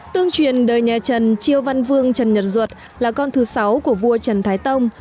tương truyền đời nhà trần chiêu văn vương trần nhật duật là con thứ sáu của vua trần thái tông